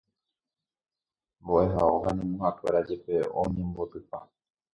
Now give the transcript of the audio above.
mbo'ehao ha ñemuhakuéra jepe oñembotypa.